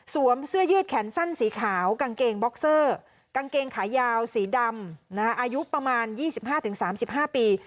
เสื้อยืดแขนสั้นสีขาวกางเกงบ็อกเซอร์กางเกงขายาวสีดำอายุประมาณ๒๕๓๕ปี